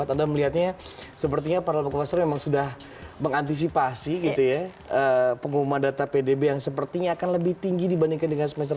anda melihatnya sepertinya para pelaku pasar memang sudah mengantisipasi gitu ya pengumuman data pdb yang sepertinya akan lebih tinggi dibandingkan dengan semester dua